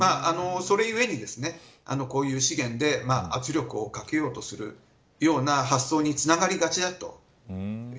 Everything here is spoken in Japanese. それゆえに、こういう資源で圧力をかけようとするような発想につながりがちだ